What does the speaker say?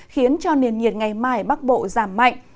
khiến cho nền nhiệt ngày mai ở bắc bộ giảm mạnh